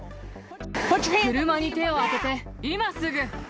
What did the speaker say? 車に手を当てて、今すぐ！